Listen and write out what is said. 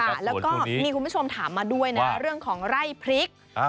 แล้วก็มีคุณผู้ชมถามมาด้วยนะเรื่องของไร่พริก